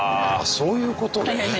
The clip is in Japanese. そういうことね。